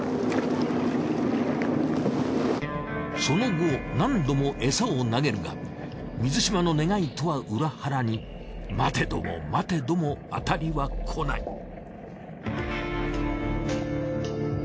その後何度もエサを投げるが水嶋の願いとは裏腹に待てども待てどもアタリは来ない。